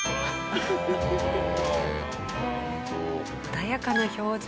穏やかな表情。